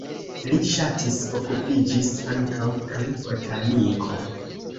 Li ŝatis okupiĝis ankaŭ pri botaniko.